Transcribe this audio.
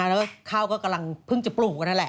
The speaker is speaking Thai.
แล้วข้าวก็กำลังเพิ่งจะปลูกกันนั่นแหละ